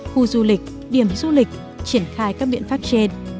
khu du lịch điểm du lịch triển khai các biện pháp trên